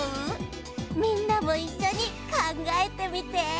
みんなもいっしょにかんがえてみて。